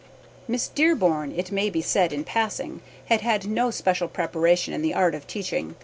Miss Dearborn, it may be said in passing, had had no special preparation in the art of teaching.